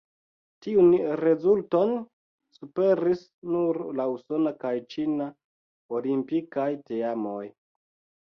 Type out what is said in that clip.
Tiun rezulton superis nur la usona kaj ĉina olimpikaj teamoj.